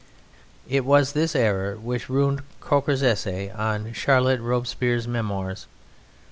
It was this error which ruined Croker's essay on Charlotte Robespierre's Memoirs.